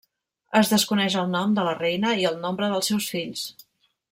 Es desconeix el nom de la reina i el nombre dels seus fills.